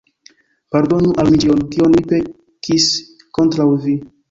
Pardonu al mi ĉion, kion mi pekis kontraŭ vi!